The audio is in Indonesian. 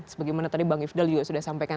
sebagai mana tadi bang ifdal juga sudah sampaikan